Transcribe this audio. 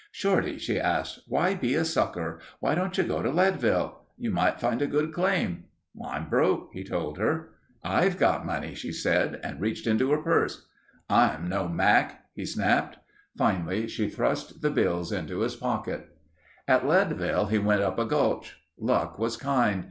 "Shorty," she asked, "why be a sucker? Why don't you go to Leadville? You might find a good claim." "I'm broke," he told her. "I've got some money," she said, and reached into her purse. "I'm no mac," he snapped. Finally she thrust the bills into his pocket. At Leadville he went up a gulch. Luck was kind.